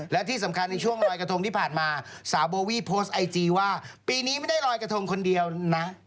และที่สำคัญในช่วงลอยกระทงที่ผ่านมาสาวโบวี่โพสต์ไอจีว่าปีนี้ไม่ได้ลอยกระทงคนเดียวนะ